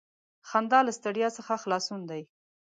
• خندا له ستړیا څخه خلاصون دی.